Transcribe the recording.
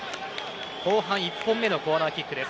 後半１本目のコーナーキックです。